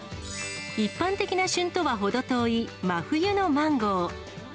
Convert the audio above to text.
一般的な旬とは程遠い真冬のマンゴー。